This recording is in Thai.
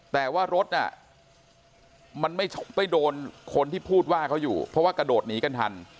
แต่ว่ารถน่ะมันไม่โดนคนที่พูดว่าเขาอยู่เพราะว่ากระโดดหนีกันทัน